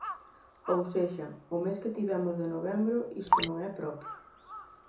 Ou sexa, o mes que tivemos de novembro isto non é propio.